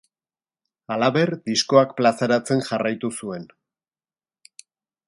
Halaber, diskoak plazaratzen jarraitu zuen.